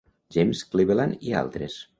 James Cleveland, i altres.